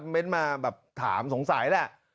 เมสมาแบบถามสงสัยแล้ว